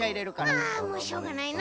あもうしょうがないな。